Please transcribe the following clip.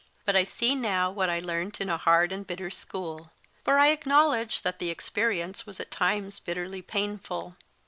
But I see now what I learnt in a hard and bitter school. For I acknowledge that the experience was at times bitterly painful.